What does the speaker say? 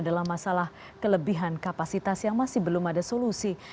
dalam masalah kelebihan kapasitas yang masih belum ada solusi